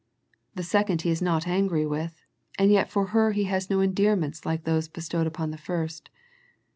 The second He is not angry with, and yet for her has no endearments like those bestowed upon the first.